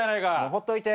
ほっといて。